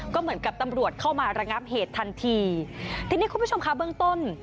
ก็เหมือนกับตำรวจเข้ามาระงับเหตุทันทีทีนี้คุณผู้ชมค่ะเบื้องต้น